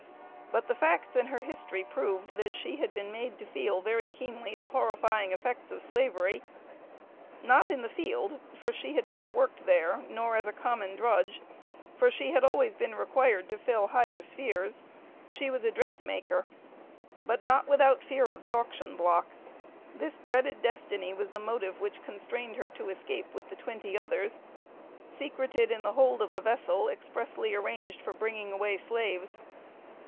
But the facts in her history proved, that she had been made to feel very keenly the horrifying effects of Slavery; not in the field, for she had never worked there; nor as a common drudge, for she had always been required to fill higher spheres; she was a dress maker but not without fear of the auction block. This dreaded destiny was the motive which constrained her to escape with the twenty others; secreted in the hold of a vessel expressly arranged for bringing away slaves.